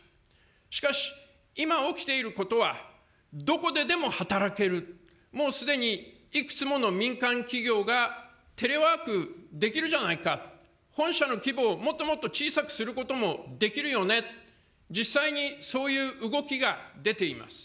しかし、今起きていることは、どこででも働ける、もうすでに、いくつもの民間企業がテレワークできるじゃないか、本社の規模をもっともっと小さくすることもできるよね、実際にそういう動きが出ています。